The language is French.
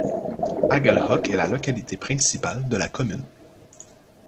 Aguel'hoc est la localité principale de la commune.